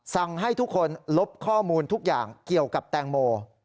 สั่งให้ทุกคนลบข้อมูลทุกอย่างเกี่ยวกับแตงโม